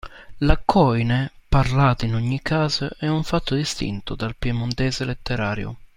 La "koiné" parlata in ogni caso è un fatto distinto dal "piemontese letterario".